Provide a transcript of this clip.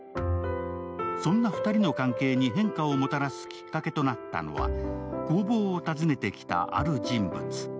そんな２人の関係に変化をもたらすきっかけとなったのは、工房を訪ねてきたある人物。